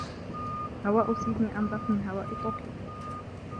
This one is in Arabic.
هواء سيدني أنظف من هواء طوكيو.